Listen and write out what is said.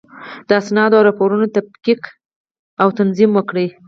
د اسنادو او راپورونو تفکیک او تنظیم وکړئ.